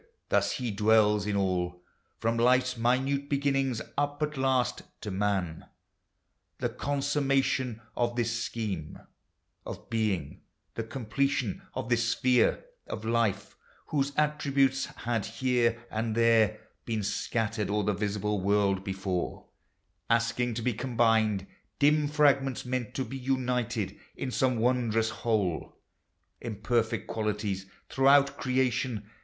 Thus he dwells in all. From life's minute beginnings, up at last To man — the consummation of this scheme Of being, the completion of this sphere Of life: whose attributes had here and there Been scattered o'er the visible world before, Asking to be combined, dim fragments meant To be united in some wondrous whole. Imperfect qualities throughout creation.